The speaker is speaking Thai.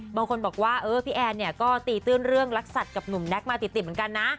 บางคนบอกว่าเออพี่แอนเนี่ยก็ตีตื้นเรื่องรักสัตว์กับหนุ่มแก๊กมาติดเหมือนกันนะ